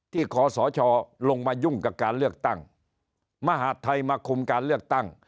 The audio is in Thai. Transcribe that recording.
ขอสชลงมายุ่งกับการเลือกตั้งมหาดไทยมาคุมการเลือกตั้ง